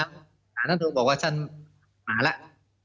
ท่านท่านถูกบอกว่าท่านมาแล้ว